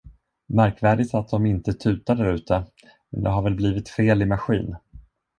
Märkvärdigt att dom inte tutar därute, men det har väl blivit fel i maskin!